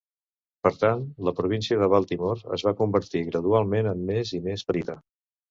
Per tant, la Província de Baltimore es va convertir gradualment en més i més petita.